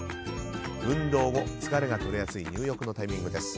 運動後、疲れが取れやすい入浴のタイミングです。